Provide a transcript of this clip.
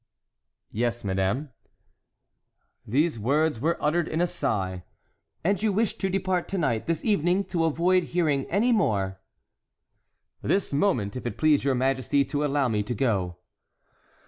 "Yes, madame." These words were uttered in a sigh. "And you wish to depart to night, this evening, to avoid hearing any more?" "This moment, if it please your majesty to allow me to go."